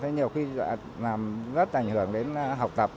nhiều khi làm rất ảnh hưởng đến học tập